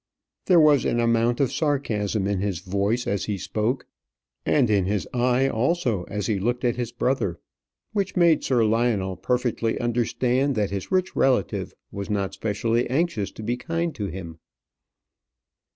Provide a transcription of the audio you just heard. There was an amount of sarcasm in his voice as he spoke, and in his eye also as he looked at his brother, which made Sir Lionel perfectly understand that his rich relative was not specially anxious to be kind to him.